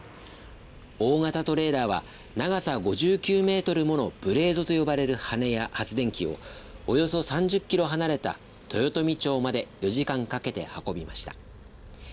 大型トレーラーは長さ５９メートルものブレードと呼ばれる羽根や発電機をおよそ３０キロ離れた豊富町まで４時間かけて運びました。